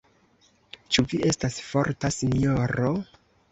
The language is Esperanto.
Ĉu vi estas forta, sinjoro?